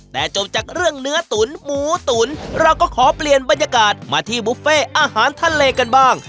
แต่จบจากเรื่องเนื้อตุ๋นหมูตุ๋นเราก็ขอเปลี่ยนบรรยากาศมาที่บุฟเฟ่อาหารทะเลกันบ้าง